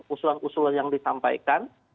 usulan usulan yang disampaikan